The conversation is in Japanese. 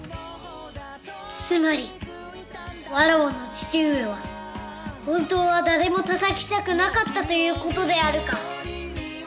つまりわらわの父上は本当は誰もたたきたくなかったという事であるか！